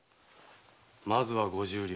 まずは五十両。